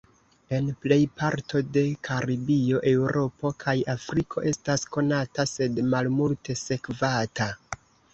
En plej parto de Karibio, Eŭropo kaj Afriko estas konata sed malmulte sekvata.